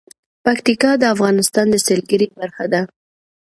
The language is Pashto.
پکتیکا د افغانستان د سیلګرۍ برخه ده.